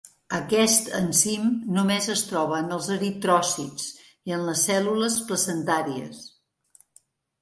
Aquest enzim només es troba en els eritròcits i en les cèl·lules placentàries.